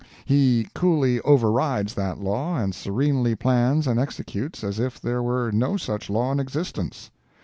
He coolly overrides that law and serenely plans and executes as if there were no such law in existence!